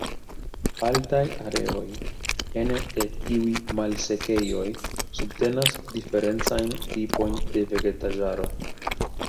Altaj areoj ene de tiuj malsekejoj subtenas diferencajn tipojn de vegetaĵaro.